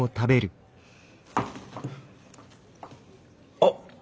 あっ！